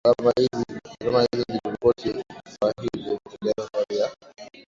alama hizo ziliripoti kwa hivyo tulianza safari ya